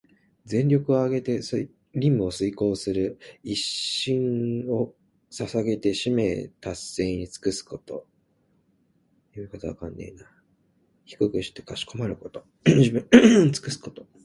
全力をあげて任務を遂行する、一身を捧げて使命達成に尽くすこと。「鞠躬」は身を低くしてかしこまること。「尽瘁」は自分のことをかえりみずに、全力をつくすこと。